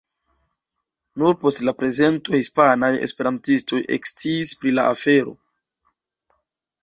Nur post la prezento hispanaj esperantistoj eksciis pri la afero.